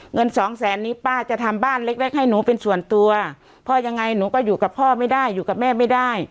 เงินสองแสนนี้ป้าจะทำบ้านเล็กเล็กให้หนูเป็นส่วนตัวพ่อยังไงหนูก็อยู่กับพ่อไม่ได้อยู่กับแม่ไม่ได้